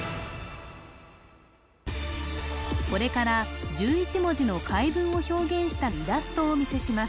これから１１文字の回文を表現したイラストをお見せします